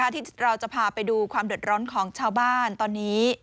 ที่เราจะพาไปดูความเดือดร้อนของชาวบ้านตอนนี้